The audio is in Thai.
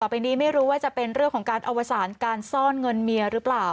ไปนี้ไม่รู้ว่าจะเป็นเรื่องของการอวสารการซ่อนเงินเมียหรือเปล่า